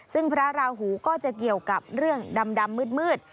ซึ่งพระราหูก็จะเกี่ยวกับเรื่องดำมืด